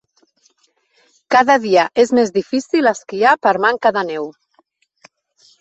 Cada dia és més difícil esquiar per la manca de neu.